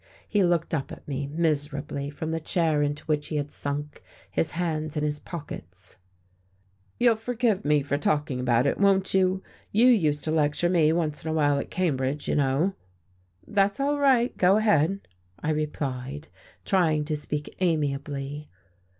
He looked up at me, miserably, from the chair into which he had sunk, his hands in his pockets. "You'll forgive me for talking about it, won't you? You used to lecture me once in a while at Cambridge, you know." "That's all right go ahead," I replied, trying to speak amiably.